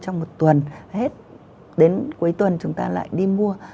chúng ta ăn trong một tuần đến cuối tuần chúng ta lại đi mua